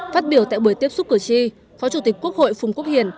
phát biểu tại buổi tiếp xúc cử tri phó chủ tịch quốc hội phùng quốc hiền